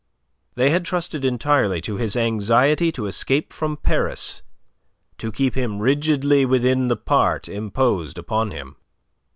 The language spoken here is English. They had trusted entirely to his anxiety to escape from Paris to keep him rigidly within the part imposed upon him.